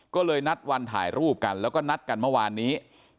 ก็เลยนัดวันถ่ายรูปกันแล้วก็นัดกันเมื่อวานนี้